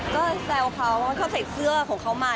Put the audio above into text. ก็แซวเขาว่าเขาใส่เสื้อของเขามา